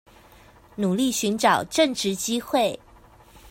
努力尋找正職機會